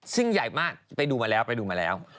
ซึ่งใหญ่มากไปดูมาแล้วไปดูมาแล้ว